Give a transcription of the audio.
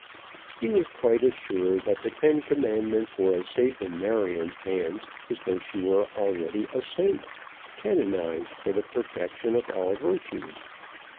He was quite as sure that the Ten Commandments were as safe in Marion's hands as though she were already a saint, canonized for the perfection of all virtues.